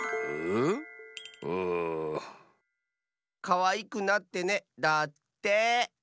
「かわいくなってね」だって。